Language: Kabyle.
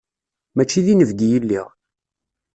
Mačči d inebgi i lliɣ.